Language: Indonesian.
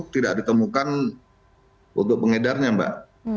tidak ditemukan untuk pengedarnya mbak